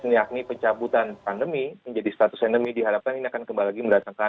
yakni pencabutan pandemi menjadi status endemi diharapkan ini akan kembali lagi mendatangkan